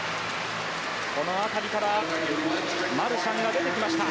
この辺りからマルシャンが出てきました。